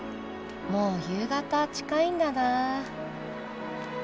もう夕方近いんだなあ。